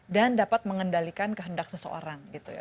dan dapat mengendalikan kehendak seseorang gitu ya